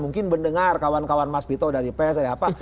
mungkin mendengar kawan kawan mas pito dari pes dari apa